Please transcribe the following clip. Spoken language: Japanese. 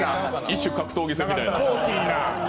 異種格闘技みたいな。